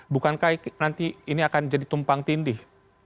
bukankah nanti ini akan jadi tumpang tindih